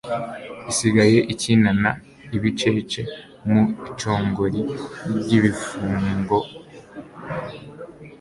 Isigaye ikinana ibicece mu icongori ryibifungo